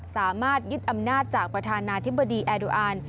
สามารถยึดอำนาจจากประธานาธิบดีแอดูอัน